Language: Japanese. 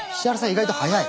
意外と早い。